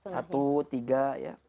satu tiga ya